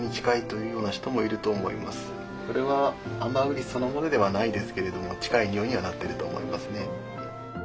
これはアンバーグリスそのものではないですけれども近いにおいにはなってると思いますね。